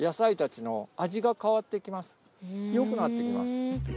よくなってきます。